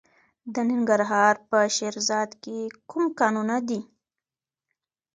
د ننګرهار په شیرزاد کې کوم کانونه دي؟